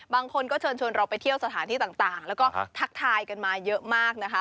บางคนก็เชิญชวนเราไปเที่ยวสถานที่ต่างแล้วก็ทักทายกันมาเยอะมากนะคะ